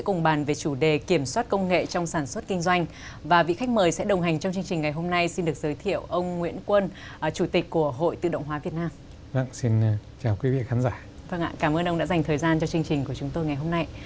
cảm ơn ông đã dành thời gian cho chương trình của chúng tôi ngày hôm nay